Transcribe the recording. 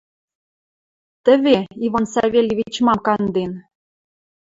Тӹве, Иван Савельевич мам канден!